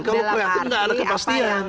kalau kreatif nggak ada kepastian